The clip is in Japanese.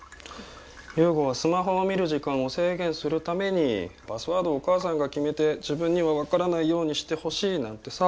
優吾はスマホを見る時間を制限するためにパスワードをお母さんが決めて自分には分からないようにしてほしいなんてさ。